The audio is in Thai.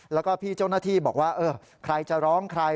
แล้วก็พี่เจ้าหน้าที่บอกว่าใครจะร้องใคร